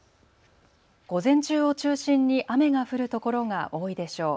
午前中を中心に雨が降るところが多いでしょう。